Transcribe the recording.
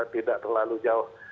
tidak terlalu jauh